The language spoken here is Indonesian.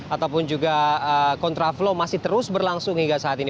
ataupun juga kontraflow masih terus berlangsung hingga saat ini